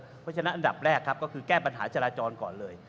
เพราะฉะนั้นอันดับแรกครับก็คือแก้ปัญหาจราจรก่อนเลย